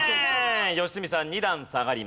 良純さん２段下がります。